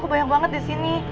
banyak banget di sini